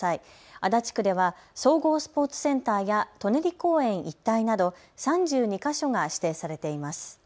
足立区では総合スポーツセンターや舎人公園一帯など３２か所が指定されています。